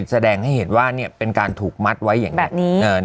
แสดงให้เห็นว่าเนี้ยเป็นการถูกมัดไว้อย่างเงี้ยแบบนี้เออ